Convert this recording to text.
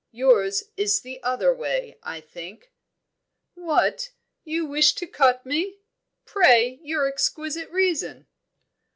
"Yours is the other way, I think." "What! You wish to cut me? Pray, your exquisite reason?"